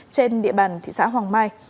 trên địa bàn thị xã hoàng mai